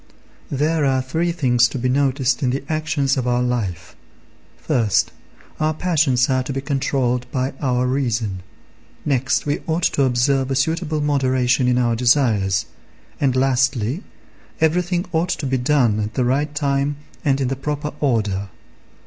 There are three things to be noticed in the actions of our life. First, our passions are to be controlled by our reason; next, we ought to observe a suitable moderation in our desires; and, lastly, everything ought to be done at the right time and in the proper order.